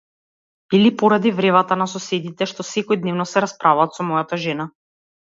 Или поради вревата на соседите што секојдневно се расправаат со мојата жена?